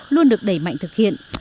luôn được đẩy mạnh thực hiện